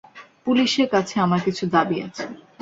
পুলিশের কাছে আমার কিছু দাবি আছে।